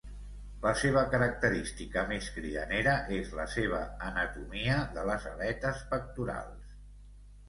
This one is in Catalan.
La seva característica més cridanera és la seva anatomia de les aletes pectorals.